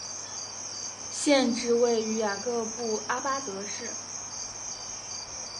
县治位于雅各布阿巴德市。